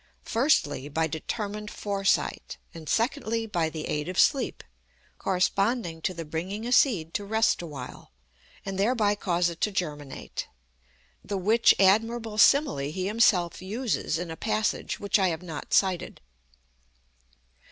Firstly, by determined Foresight, and, secondly, by the aid of sleep, corresponding to the bringing a seed to rest a while, and thereby cause it to germinate; the which admirable simile he himself uses in a passage which I have not cited.